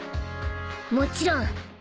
もちろん。